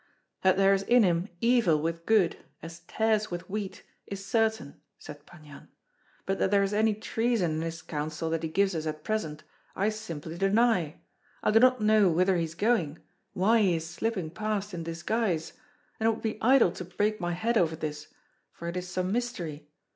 "That there is in him evil with good, as tares with wheat, is certain," said Pan Yan; "but that there is any treason in this counsel that he gives us at present, I simply deny. I do not know whither he is going, why he is slipping past in disguise; and it would be idle to break my head over this, for it is some mystery.